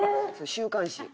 週刊誌。